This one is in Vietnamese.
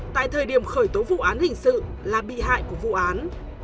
tại thời điểm khởi tố vụ án hình sự là bị hại của vụ án